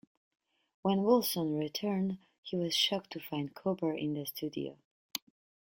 When Wilson returned, he was shocked to find Kooper in the studio.